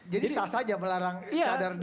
jadi sas saja melarang cadar di